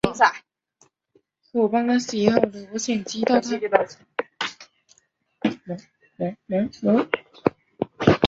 出生于北海道札幌市。